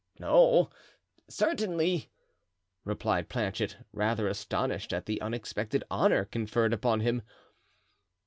"No, certainly," replied Planchet, rather astonished at the unexpected honor conferred upon him.